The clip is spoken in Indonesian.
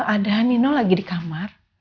ada hanino lagi di kamar